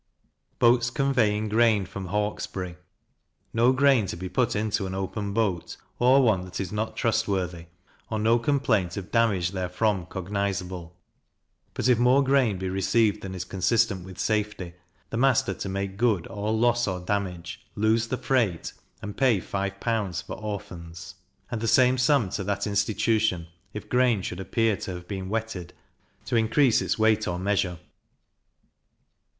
Boats conveying Grain from Hawkesbury. No grain to be put into an open boat, or one that is not trust worthy, or no complaint of damage therefrom cognizable; but if more grain be received than is consistent with safety, the master to make good all loss or damage, lose the freight, and pay five pounds for Orphans; and the same sum to that institution, if grain should appear to have been wetted, to increase its weight or measure.